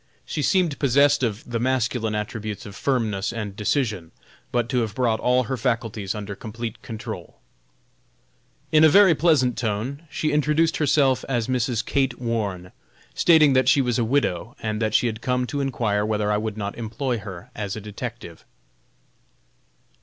She seemed possessed of the masculine attributes of firmness and decision, but to have brought all her faculties under complete control. In a very pleasant tone she introduced herself as Mrs. Kate Warne, stating that she was a widow, and that she had come to inquire whether I would not employ her as a detective.